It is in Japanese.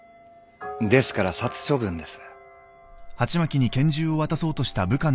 ですから殺処分です。